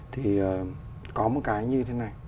thì có một cái như thế này